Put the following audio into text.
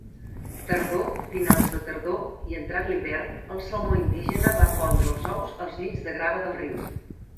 Tardor, finals de tardor i entrat l'hivern, el salmó indígena va pondre els ous als llits de grava del riu.